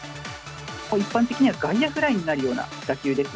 一般的には外野フライになるような打球です。